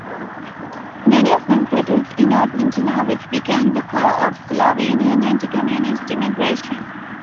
Many of them settled in Argentina, which became the core of Slovenian anti-Communist emigration.